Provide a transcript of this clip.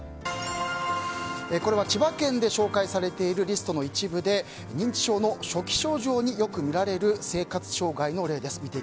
これは千葉県で紹介されているリストの一部で認知症の初期症状によく見られる生活障害の例です。